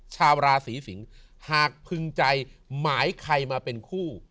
ชาวราศีสิงศ์หากพึงใจหมายใครมาเป็นคู่